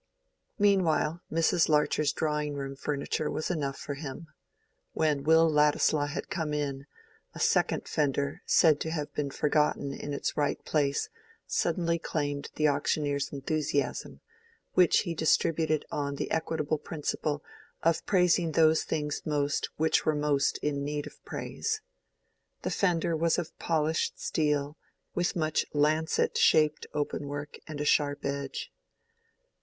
Meanwhile Mrs. Larcher's drawing room furniture was enough for him. When Will Ladislaw had come in, a second fender, said to have been forgotten in its right place, suddenly claimed the auctioneer's enthusiasm, which he distributed on the equitable principle of praising those things most which were most in need of praise. The fender was of polished steel, with much lancet shaped open work and a sharp edge.